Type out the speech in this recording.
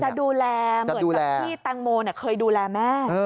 ดูแลเหมือนกับที่แตงโมเคยดูแลแม่